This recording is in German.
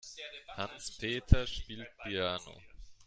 Hans-Peter spielt Piano.